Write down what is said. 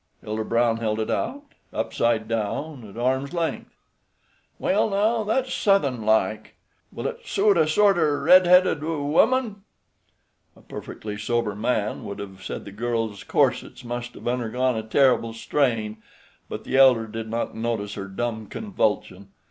Elder Brown held it out, upside down, at arm's length. "Well, now, that's suthin' like. Will it soot a sorter redheaded 'ooman?" A perfectly sober man would have said the girl's corsets must have undergone a terrible strain, but the elder did not notice her dumb convulsion.